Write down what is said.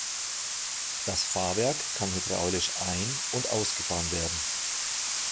Das Fahrwerk kann hydraulisch ein- und ausgefahren werden.